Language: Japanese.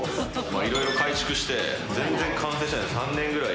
いろいろ改築して全然完成しない３年ぐらい。